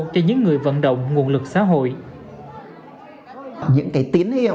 cho những người vận động nguồn lực xã hội